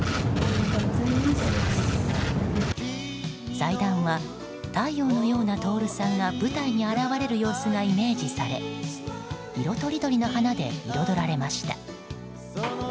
祭壇は、太陽のような徹さんが舞台に現れる様子がイメージされ色とりどりの花で彩られました。